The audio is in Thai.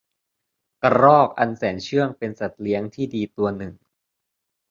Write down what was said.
กระรอกอันแสนเชื่องเป็นสัตว์เลี้ยงที่ดีตัวหนึ่ง